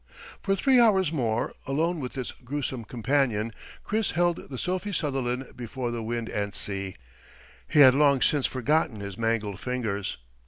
For three hours more, alone with this gruesome companion, Chris held the Sophie Sutherland before the wind and sea. He had long since forgotten his mangled fingers.